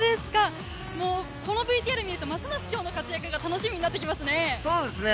このＶＴＲを見ると、ますます今日の活躍が楽しみですね。